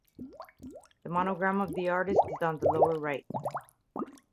The monogram of the artist is on the lower right.